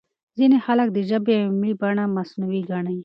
ځينې خلک د ژبې علمي بڼه مصنوعي ګڼي.